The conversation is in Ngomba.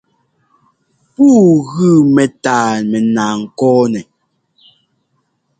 Pûu gʉ mɛ́tâa mɛnaa ŋkɔ̂nɛ.